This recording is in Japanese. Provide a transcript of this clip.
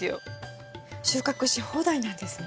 収穫し放題なんですね。